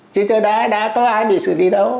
chứ đã có ai bị xử lý đâu